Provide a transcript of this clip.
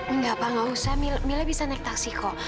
enggak pak gak usah mila bisa naik taksi kok